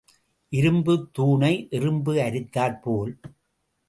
இரும்புத் தூணை எறும்பு அரித்தாற்போல்.